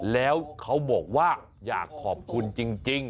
แล้วเขาบอกว่าอยากขอบคุณจริง